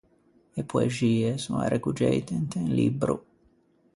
E poexie son arrecuggeite inte un libbro.